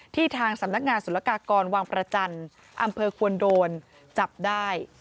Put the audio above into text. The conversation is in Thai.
ทางสำนักงานสุรกากรวังประจันทร์อำเภอควรโดนจับได้